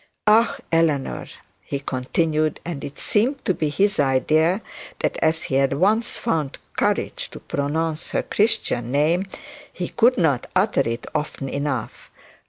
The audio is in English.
'Ah! Eleanor,' he continued, and it seemed to be his idea, that as he had once found courage to pronounce her Christian name, he could not utter it often enough.